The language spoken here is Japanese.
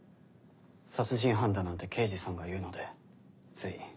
殺人犯だなんて刑事さんが言うのでつい。